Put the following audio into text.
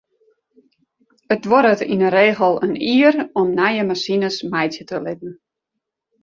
It duorret yn de regel in jier om nije masines meitsje te litten.